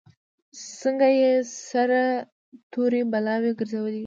څنګه یې سره تورې بلاوې ګرځولي یو.